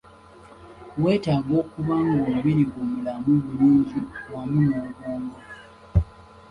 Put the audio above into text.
Weetaaga okuba ng'omubiri gwo mulamu bulungi wamu n'obwongo.